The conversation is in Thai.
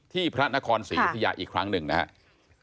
พระนครศรีอยุธยาอีกครั้งหนึ่งนะครับ